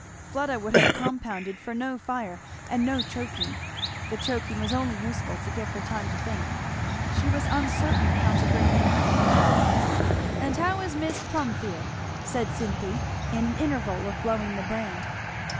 Fleda would have compounded for no fire and no choking. The choking was only useful to give her time to think. She was uncertain how to bring in her errand. "And how is Mis' Plumfield?" said Cynthy, in an interval of blowing the brand.